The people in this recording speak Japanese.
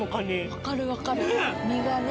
分かる分かる身がね。